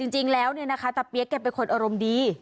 จริงแล้วเนี่ยนะคะตาเปี๊ยกแกเป็นคนอารมณ์ดี